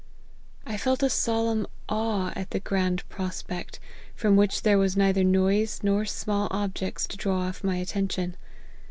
I felt a solemn awe at the grand prospect, from which there was neither noise nor small objects to draw off my attention.